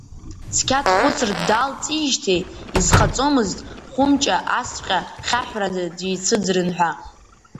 Цқьа дхәыцыртә даалҵижьҭеи, изхаҵомызт Хәымҷа асҵәҟьа хьаҳәрада дицәыӡрын ҳәа.